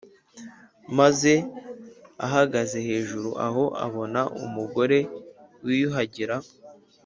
Maze ahagaze hejuru aho abona umugore wiyuhagira